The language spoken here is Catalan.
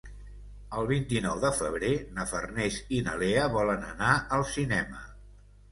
El vint-i-nou de febrer na Farners i na Lea volen anar al cinema.